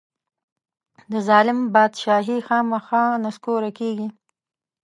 د ظلم بادچاهي خامخا نسکوره کېږي.